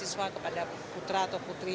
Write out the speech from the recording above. meiswa kepadanya putra atau putri